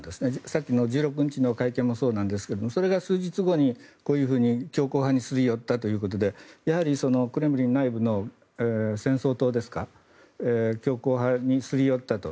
さっきの１６日の会見もそうなんですがそれが数日後にこういうふうに強硬派にすり寄ったということでクレムリン内部の戦争党ですか強硬派にすり寄ったと。